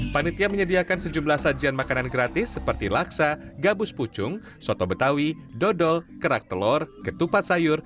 panitia menyediakan sejumlah sajian makanan gratis seperti laksa gabus pucung soto betawi dodol kerak telur ketupat sayur